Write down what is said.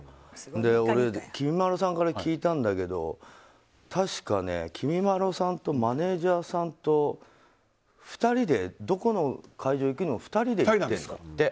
俺、きみまろさんから聞いたんだけど確かきみまろさんとマネジャーさんとどこの会場に行くにも２人で行ってるんだって。